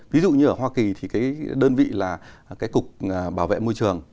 ví dụ như ở hoa kỳ thì cái đơn vị là cái cục bảo vệ môi trường